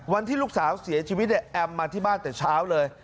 วันที่ลูกสาวเสียชีวิตเนี่ยแอมมาที่บ้านแต่เช้าเลย